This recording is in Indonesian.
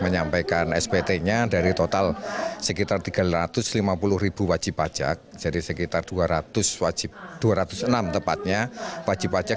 menyampaikan spt nya dari total sekitar tiga ratus lima puluh ribu wajib pajak jadi sekitar dua ratus wajib dua ratus enam tepatnya wajib pajak